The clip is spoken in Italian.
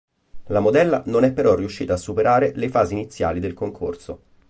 La modella non è però riuscita a superare le fasi iniziali del concorso.